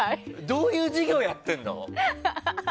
どういう授業やっているの？